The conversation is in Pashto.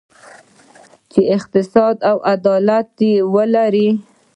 چې اقتصاد او عدالت ولري.